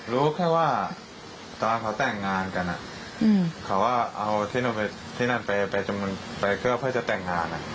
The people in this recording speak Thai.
รู้แค่ว่าตอนเขาแต่งงานกันเขาก็เอาที่นู่นไปที่นั่นไปเพื่อจะแต่งงาน